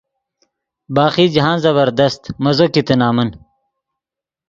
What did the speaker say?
باقی جاہند زبردست مزو کیتے نمن۔